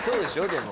でも。